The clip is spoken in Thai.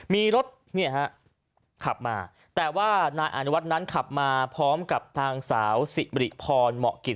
มีรถเนี่ยฮะขับมาแต่ว่านายอนุวัฒน์นั้นขับมาพร้อมกับนางสาวสิริพรเหมาะกิจ